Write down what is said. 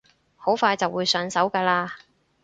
好快就會上手㗎喇